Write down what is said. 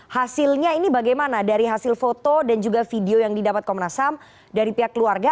hasilnya ini bagaimana dari hasil foto dan juga video yang didapat komnas ham dari pihak keluarga